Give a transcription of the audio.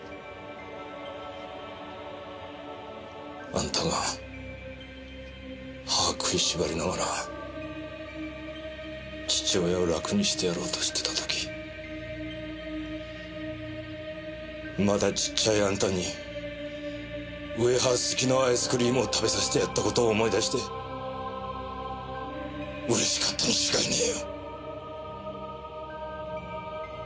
あんたが歯食いしばりながら父親を楽にしてやろうとしてた時まだちっちゃいあんたにウエハース付きのアイスクリームを食べさせてやった事を思い出して嬉しかったに違いねえよ。